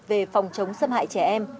về phòng chống xâm hại trẻ em